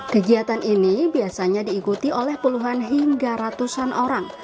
kegiatan ini biasanya diikuti oleh puluhan hingga ratusan orang